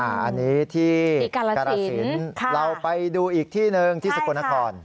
อันนี้ที่กรสินเราไปดูอีกที่หนึ่งที่สกลนคร